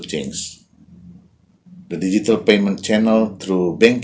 channel pembayaran digital melalui bank